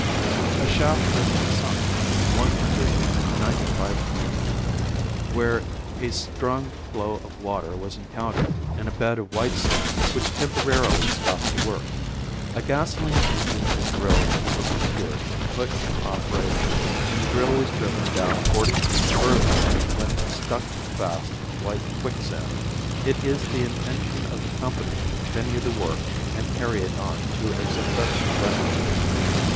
A shaft has been sunk one hundred and ninety five feet deep, where a strong flow of water was encountered in a bed of white sand which temporarily stopped the work. A gasoline engine and drill were procured and put in operation and the drill was driven down forty feet further when it stuck fast in white quicksand. It is the intention of the company to continue the work and carry it on to a successful finish.